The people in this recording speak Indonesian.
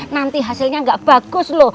nanti hasilnya nggak bagus lu